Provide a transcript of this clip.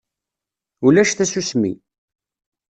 Ulac tasusmi.